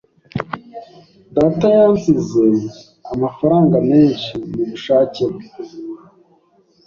Data yansize amafaranga menshi mubushake bwe